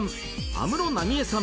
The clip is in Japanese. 安室奈美恵さん